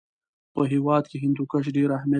په هېواد کې هندوکش ډېر اهمیت لري.